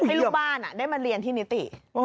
ให้ลูกบ้านได้มาเรียนที่นิติ